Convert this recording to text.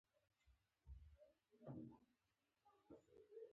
پیاله د لاسونو ارزښت زیاتوي.